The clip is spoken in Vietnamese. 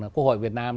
quốc hội việt nam